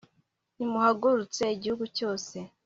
nimuhagurutse igihugu cyose